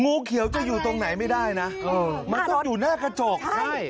งูเขียวจะอยู่ตรงไหนไม่ได้นะเออมันก็อยู่หน้ากระจกใช่